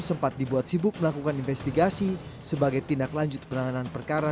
sempat dibuat sibuk melakukan investigasi sebagai tindak lanjut penanganan perkara